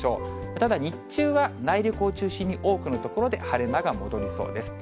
ただ日中は内陸を中心に多くの所で晴れ間が戻りそうです。